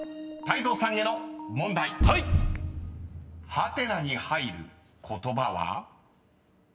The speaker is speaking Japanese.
［ハテナに入る言葉は？］